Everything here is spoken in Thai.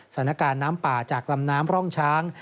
สถานการณ์น้ำป่าจากลำน้ำร่องช้าง